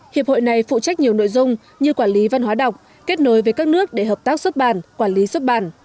hiệp hội này phụ trách nhiều nội dung như quản lý văn hóa đọc kết nối với các nước để hợp tác xuất bản quản lý xuất bản